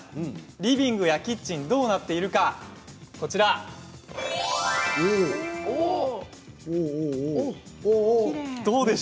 リビングやキッチンがどうなっているかです。